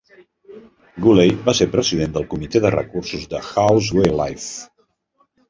Gulley va ser president del comitè de recursos de House Wildlife.